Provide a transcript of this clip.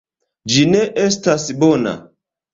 Ĝi ne estas bona.